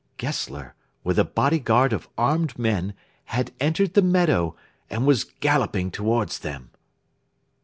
Gessler, with a bodyguard of armed men, had entered the meadow, and was galloping towards them.